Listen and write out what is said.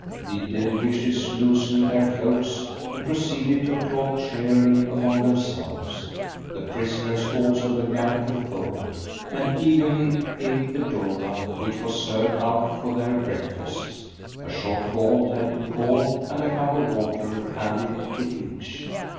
The Dervishes loosened their cloaks and proceeded to talk cheerily among themselves. The prisoners also began to thaw, and eagerly ate the doora which was served out for their breakfasts. A short halt had been called, and a cup of water handed to each.